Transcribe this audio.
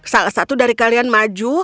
salah satu dari kalian maju